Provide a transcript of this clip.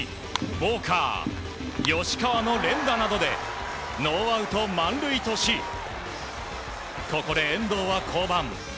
ウォーカー、吉川の連打などでノーアウト満塁としここで遠藤は降板。